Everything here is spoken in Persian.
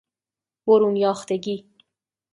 برون یاختگی